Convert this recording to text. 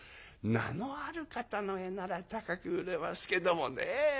名のある方の絵なら高く売れますけどもねえ